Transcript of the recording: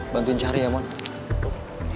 bantuin cari ya mond